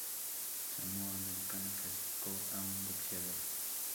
Samoa Americana clasificó a un boxeador.